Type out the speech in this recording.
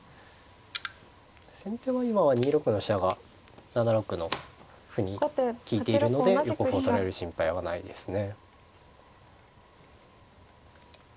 先手は今は２六の飛車が７六の歩に利いているので横歩を取られる心配はないですね。